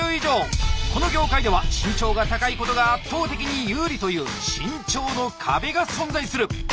この業界では身長が高いことが圧倒的に有利という「身長の壁」が存在する。